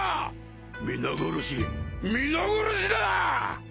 皆殺し皆殺しだ！